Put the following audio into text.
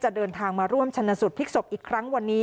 เดินทางมาร่วมชนะสูตรพลิกศพอีกครั้งวันนี้